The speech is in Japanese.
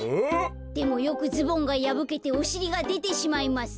でもよくズボンがやぶけておしりがでてしまいます。